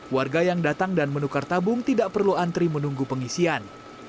warga yang datang dan menukar tabung tidak perlu antri menunggu pengisian